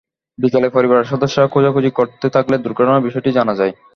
বিকেলে পরিবারের সদস্যরা খোঁজাখুঁজি করতে থাকলে দুর্ঘটনার বিষয়টি জানা যায়।